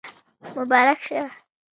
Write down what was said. مبارک شه